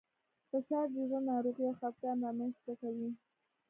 فشار د زړه ناروغۍ او خپګان رامنځ ته کوي.